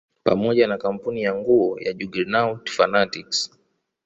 Pamoja na kampuni ya nguo ya Juggernaut fanatics